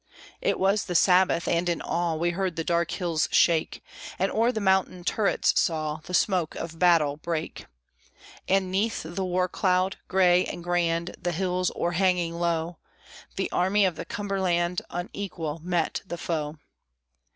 It was the Sabbath; and in awe We heard the dark hills shake, And o'er the mountain turrets saw The smoke of battle break. And 'neath the war cloud, gray and grand, The hills o'erhanging low, The Army of the Cumberland, Unequal, met the foe!